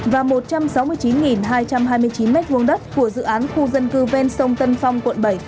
và một trăm sáu mươi chín hai trăm hai mươi chín m hai đất của dự án khu dân cư ven sông tân phong quận bảy